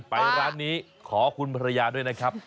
ไปร้านนี้ขอคุณภรรยาด้วยนะครับ